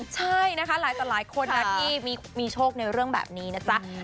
ใช่นะคะหลายต่อหลายคนนะที่มีโชคในเรื่องแบบนี้นะจ๊ะ